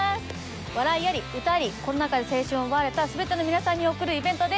笑いあり歌ありコロナ禍で青春を奪われた全ての皆さんに贈るイベントです。